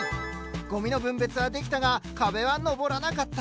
ゴミの分別はできたが壁は上らなかった。